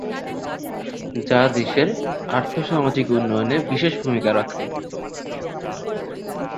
যা দেশের আর্থসামাজিক উন্নয়নে বিশেষ ভূমিকা রাখে।